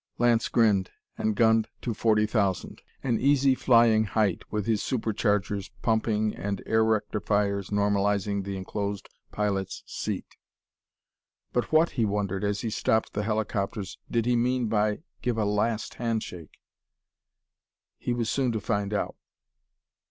Lance grinned, and gunned to forty thousand an easy flying height, with his superchargers pumping and air rectifiers normalizing the enclosed pilot's seat. "But what," he wondered, as he stopped the helicopters, "did he mean by 'give a last handshake'?" He was soon to find out.